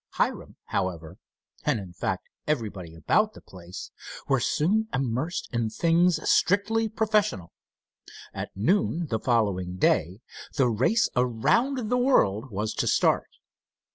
Hiram, however, and in fact everybody about the place, were soon immersed in things strictly professional. At noon the following day the race around the world was to start.